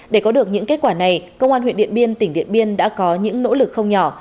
để có được những kết quả này công an huyện điện biên tỉnh điện biên đã có những nỗ lực không nhỏ